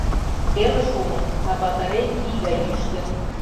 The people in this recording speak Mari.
Теле шуын, а батарей ий гай йӱштӧ.